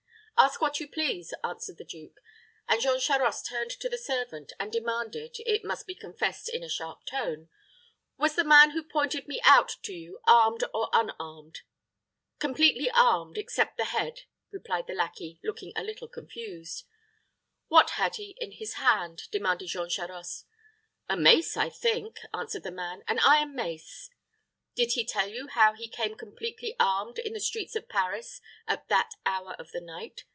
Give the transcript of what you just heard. "Ask what you please," answered the duke; and Jean Charost turned to the servant, and demanded, it must be confessed, in a sharp tone, "Was the man who pointed me out to you armed or unarmed?" "Completely armed, except the head," replied the lackey, looking a little confused. "What had he in his hand?" demanded Jean Charost. "A mace, I think," answered the man; "an iron mace." "Did he tell you how he came completely armed in the streets of Paris at that hour of the night?"